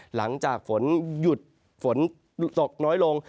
หลังจากฝนหยุดฝนตกน้อยลง